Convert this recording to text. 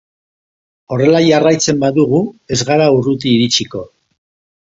Horrela jarraitzen badugu ez gara urruti iritsiko.